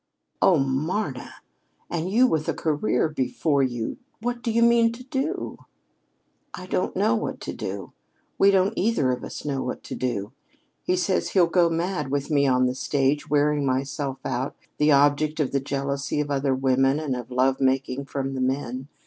"Oh, Marna! And you, with a career before you! What do you mean to do?" "I don't know what to do. We don't either of us know what to do. He says he'll go mad with me on the stage, wearing myself out, the object of the jealousy of other women and of love making from the men.